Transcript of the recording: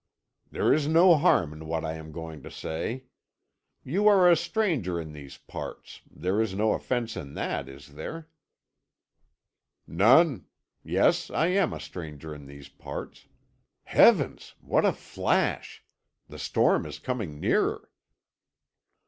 There is no harm in what I am going to say. You are a stranger in these parts there is no offence in that, is there?" "None. Yes, I am a stranger in these parts. Heavens! what a flash! The storm is coming nearer."